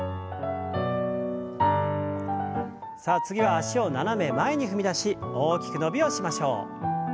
さあ次は脚を斜め前に踏み出し大きく伸びをしましょう。